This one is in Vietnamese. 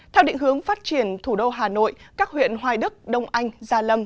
theo định hướng phát triển thủ đô hà nội các huyện hoài đức đông anh gia lâm